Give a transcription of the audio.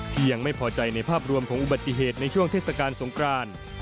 ยังไม่พอใจในภาพรวมของอุบัติเหตุในช่วงเทศกาลสงคราน